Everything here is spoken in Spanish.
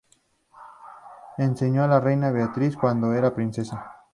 Enseñó a la reina Beatriz, cuando era princesa.